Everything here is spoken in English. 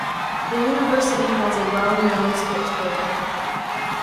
The university has a well known sports program.